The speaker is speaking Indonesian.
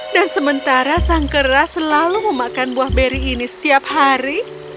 dan sementara sang kera selalu memakan buah beri ini setiap hari